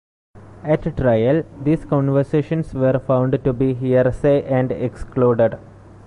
At trial these conversations were found to be hearsay and excluded.